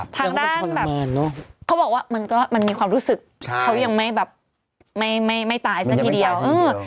ทางด้านแบบเขาบอกว่ามันมีความรู้สึกเขายังไม่ตายสักทีเดียวอืม